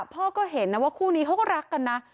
พ่อก็เห็นนะว่าคู่นี้เขาก็รักกันนะ